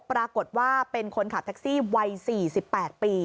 ปรากฏว่าเป็นคนขับแท็กซี่วัย๔๘ปี